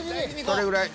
それぐらい。